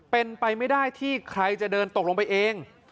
เป็นไปไม่ได้ที่ใครจะเดินตกลงไปเอง